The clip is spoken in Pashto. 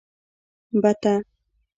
🪿بته